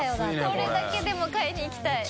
これだけでも買いに行きたい！